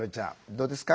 どうですか？